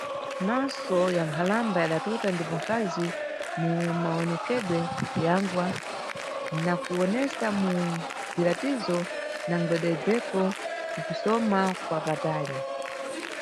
Maso ya nkhalamba yadatota ndipo mkazi mu mawonekedwe ya ngwe, na kuwonesa mu bziratizo na mgwededzeko, kupsoma kwa patali.